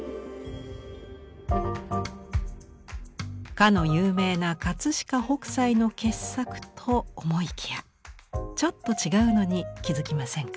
かの有名な飾北斎の傑作と思いきやちょっと違うのに気付きませんか？